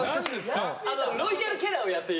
ロイヤルキャラをやっていた。